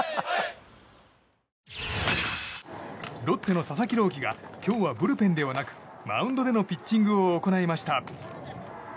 ロッテの佐々木朗希が今日はブルペンではなくマウンドでのピッチングを行いました。